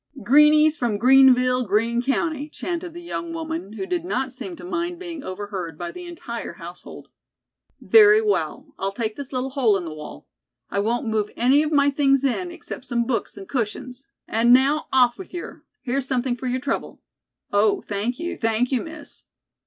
"Greenies from Greenville, Green County," chanted the young woman, who did not seem to mind being overheard by the entire household. "Very well, I'll take this little hole in the wall. I won't move any of my things in, except some books and cushions. And now, off wit' yer. Here's something for your trouble." "Oh, thank you, thank you, Miss."